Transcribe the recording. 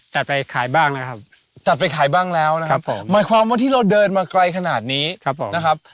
ไปขายบ้างนะครับจัดไปขายบ้างแล้วนะครับผมหมายความว่าที่เราเดินมาไกลขนาดนี้ครับผมนะครับ